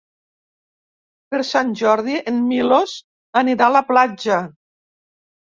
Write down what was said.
Per Sant Jordi en Milos anirà a la platja.